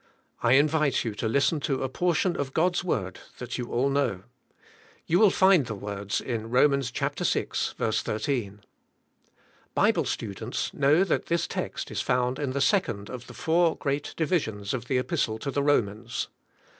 I invite you to listen to a portion of God's word that you all know. You will find the words in Rom. 6: 13. Bible students know that this text is found in the second of the four great divis ions of the Epistle to the Romans.